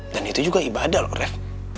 dan itu juga ibadah loh rev